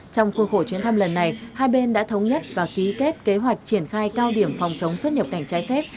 trong khuôn khổ chuyến thăm lần này hai bên đã thống nhất và ký kết kế hoạch triển khai cao điểm phòng chống xuất nhập cảnh trái phép